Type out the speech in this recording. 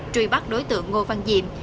truy bắt đối tượng ngô văn diệm